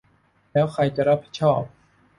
แล้วใครจะรับผิดชอบ ?